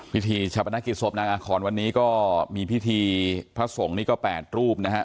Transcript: พิธีชาปนกิจศพนางอาคอนวันนี้ก็มีพิธีพระสงฆ์นี่ก็๘รูปนะฮะ